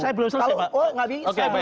saya belum selesai